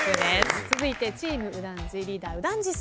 続いてチーム右團次リーダー右團次さん。